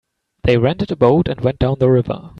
They rented a boat and went down the river.